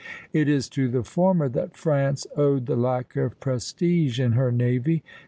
It is to the former that France owed the lack of prestige in her navy.